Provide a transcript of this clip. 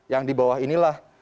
yang di bawah inilah